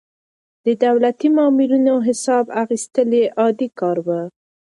د دولتي مامورينو حساب اخيستل يې عادي کار و.